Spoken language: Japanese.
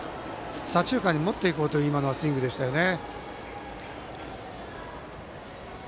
左中間に持っていこうというスイングでしたよね。